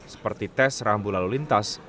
seperti tes rambu lalu lintas